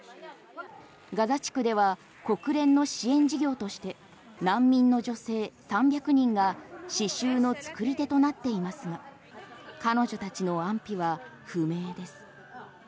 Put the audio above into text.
ガザ地区では国連の支援事業として難民の女性３００人が刺しゅうの作り手となっていますが彼女たちの安否は不明です。